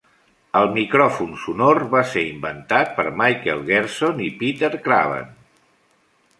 El micròfon sonor va ser inventat per Michael Gerzon i Peter Craven.